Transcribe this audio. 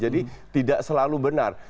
jadi tidak selalu benar